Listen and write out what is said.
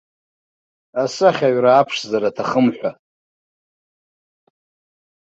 Асахьаҩыра аԥшӡара аҭахым ҳәа.